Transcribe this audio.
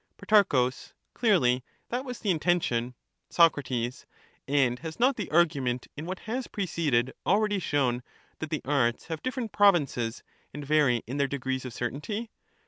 Pro, Clearly; that was the intention. Soc, And has not the argument in what has preceded, already shown that the arts have different provinces, and vary in their degrees of certainty?